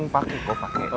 pakai kok pakai